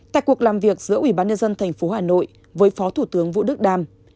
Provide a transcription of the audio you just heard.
tại cuộc làm việc giữa ubnd tp hà nội với phó thủ tướng vũ đức đam